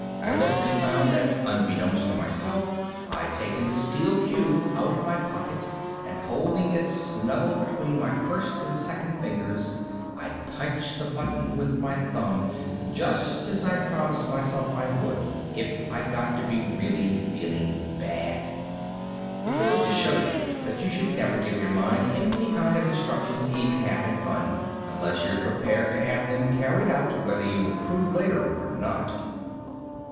I looked and found that, unbeknownst to myself, I'd taken the steel cube out of my pocket and holding it snuggled between my first and second fingers I'd punched the button with my thumb just as I'd promised myself I would if I got to really feeling bad. It goes to show you that you should never give your mind any kind of instructions even half in fun, unless you're prepared to have them carried out whether you approve later or not.